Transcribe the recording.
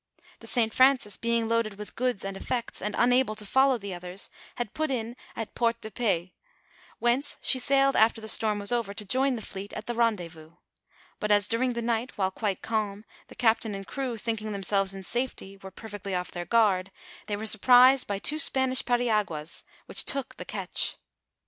The St. Francis being loaded with goods and effects, and unable to follow the others, had put in at Port de Paix, whence she Bailed after the storm was over to join the fleet at the rendez vous ; but as during the night, while quite calm, the captain and crew thinking themselves in safety, were perfectly off their guard, they were surprised by two Spanish periaguas, which took the ketch.